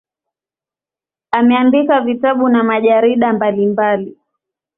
Ameandika vitabu na majarida mbalimbali.